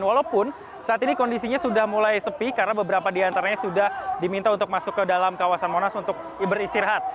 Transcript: walaupun saat ini kondisinya sudah mulai sepi karena beberapa di antaranya sudah diminta untuk masuk ke dalam kawasan monas untuk beristirahat